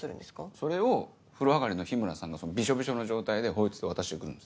それを風呂上がりの日村さんがビショビショの状態で「はい」って渡して来るんですよ。